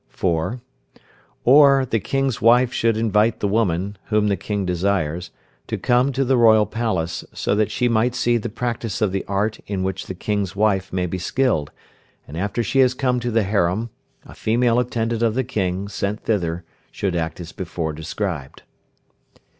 (4). Or, the King's wife should invite the woman, whom the King desires, to come to the royal palace, so that she might see the practice of the art in which the King's wife may be skilled, and after she has come to the harem, a female attendant of the King, sent thither, should act as before described.